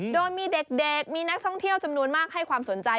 โดยมีเด็กมีนักท่องเที่ยวจำนวนมากให้ความสนใจ